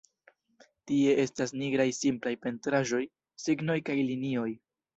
Tie estas nigraj simplaj pentraĵoj, signoj kaj linioj.